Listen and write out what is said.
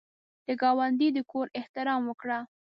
د ګاونډي د کور احترام وکړه